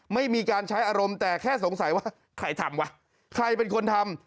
ไม่มีการใช้อารมณ์แต่แค่สงสัยว่าใครทำวะใครเป็นคนทำ